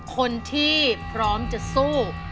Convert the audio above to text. คนที่พร้อมจะสู้